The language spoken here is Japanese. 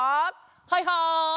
はいはい！